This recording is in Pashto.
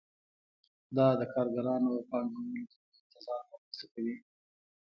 دا د کارګرانو او پانګوالو ترمنځ تضاد رامنځته کوي